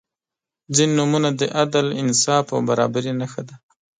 • ځینې نومونه د عدل، انصاف او برابري نښه ده.